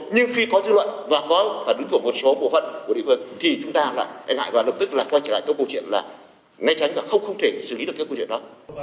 nhưng khi có dư luận và có và đứng thủ một số bộ phận của địa phương thì chúng ta lại e ngại và lập tức là quay trở lại câu chuyện là ngay tránh và không thể xử lý được các câu chuyện đó